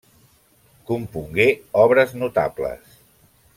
Compongué obres notables.